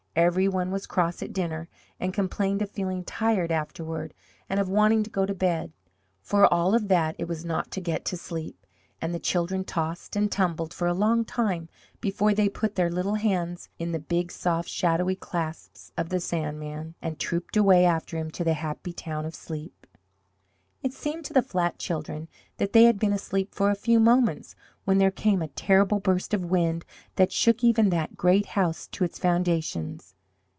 Every one was cross at dinner and complained of feeling tired afterward, and of wanting to go to bed. For all of that it was not to get to sleep, and the children tossed and tumbled for a long time before they put their little hands in the big, soft shadowy clasp of the Sandman, and trooped away after him to the happy town of sleep. It seemed to the flat children that they had been asleep but a few moments when there came a terrible burst of wind that shook even that great house to its foundations.